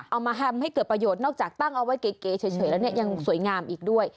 เอามาแฮมให้เกิดประโยชน์นอกจากตั้งเอาไว้เก๋เฉยแล้วเนี่ยยังสวยงามอีกด้วย